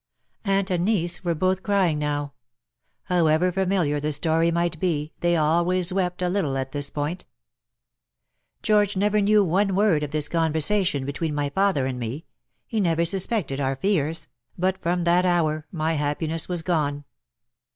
Aunt and niece were both crying now. However familiar the story might be_, they always wept a little at this point. " George never knew one word of this conversa tion between my father and me — he never suspected our fears — but from that hour my happiness was gone.